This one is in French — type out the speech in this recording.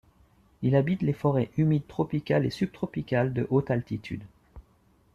Il habite les forêts humides tropicales et subtropicales de haute altitude.